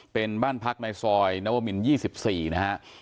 เป็นบ้านพักในซอยนวมิน๒๔นะฮะ